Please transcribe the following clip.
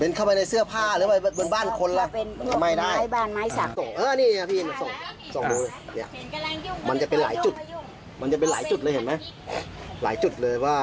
เป็นเข้าไปในเสื้อผ้าหรือบนบ้านคนล่ะ